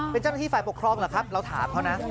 เป็นเจ้าหน้าที่ฝ่ายปกครองเหรอครับเราถามเขานะ